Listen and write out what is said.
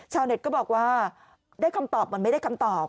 เน็ตก็บอกว่าได้คำตอบมันไม่ได้คำตอบ